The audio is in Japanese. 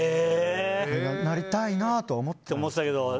なりたいなとは思ってましたけど。